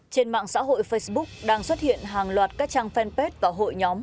trên mạng xã hội facebook đang xuất hiện hàng loạt các trang fanpage và hội nhóm